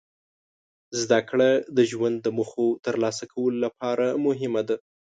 زدهکړه د ژوند د موخو ترلاسه کولو لپاره مهمه ده.